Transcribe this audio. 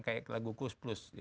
kayak lagu kus plus